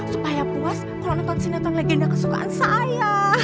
supaya puas kalau nonton sinoton legenda kesukaan saya